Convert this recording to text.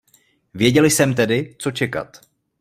Věděl jsem tedy, co čekat.